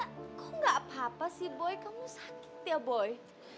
kok gak apa apa sih boy kamu sakit ya boy